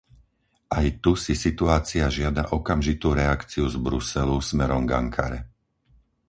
Aj tu si situácia žiada okamžitú reakciu z Bruselu smerom k Ankare.